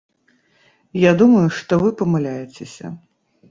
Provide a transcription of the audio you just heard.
Я думаю, што вы памыляецеся.